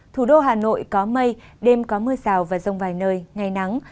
thủ đô hà nội có mây đêm có mưa rào và rông vài nơi ngày nắng